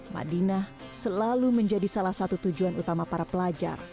madinah selalu menjadi salah satu tujuan utama para pelajar